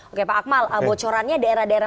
oke pak akmal bocorannya daerah daerah